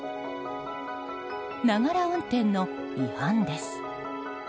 ながら運転の違反です。